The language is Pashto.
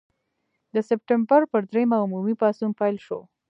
د سپټمبر پر دریمه عمومي پاڅون پیل شو.